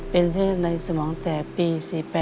เป็นเส้นในสมองแตกปี๔๘